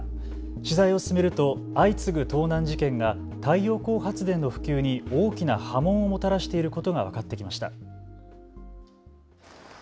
取材を進めると相次ぐ盗難事件が太陽光発電の普及に大きな波紋をもたらしていることが分かってきました。